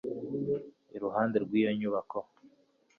iruhande rwiyo nyubako